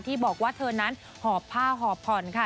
บอกว่าเธอนั้นหอบผ้าหอบผ่อนค่ะ